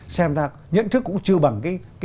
xem ra nhận thức cũng chưa bằng cái